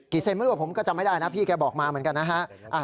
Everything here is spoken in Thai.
กี่เซ็นต์ผมก็จำไม่ได้นะพี่แค่บอกมาเหมือนกัน